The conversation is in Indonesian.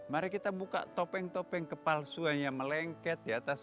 mari kita buka topeng topeng kepalsuanya melengket di atas muka kita ini